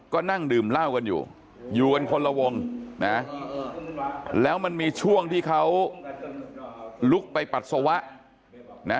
ก็นั่งดื่มเหล้ากันอยู่อยู่กันคนละวงนะแล้วมันมีช่วงที่เขาลุกไปปัสสาวะนะ